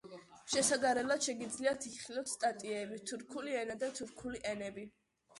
შესადარებლად შეგიძლიათ იხილოთ სტატიები თურქული ენა და თურქული ენები.